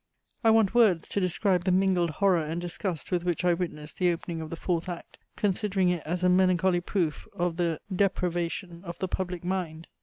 I want words to describe the mingled horror and disgust with which I witnessed the opening of the fourth act, considering it as a melancholy proof of the depravation of the public mind.